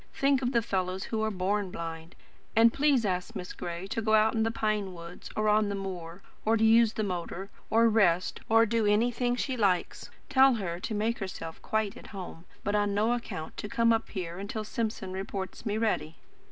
Think of the fellows who are BORN blind. And please ask Miss Gray to go out in the pine wood, or on the moor, or use the motor, or rest, or do anything she likes. Tell her to make herself quite at home; but on no account to come up here until Simpson reports me ready."